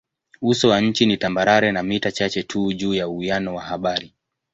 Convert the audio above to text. Uso wa nchi ni tambarare na mita chache tu juu ya uwiano wa bahari.